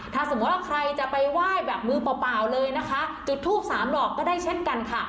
ถ้าสมมุติว่าใครจะไปไหว้แบบมือเปล่าเลยนะคะจุดทูปสามดอกก็ได้เช่นกันค่ะ